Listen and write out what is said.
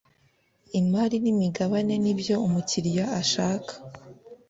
imari n imigabane ni byo umukiriya ashaka